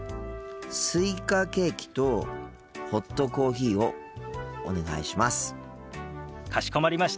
スイカケーキとホットコーヒーをお願いします。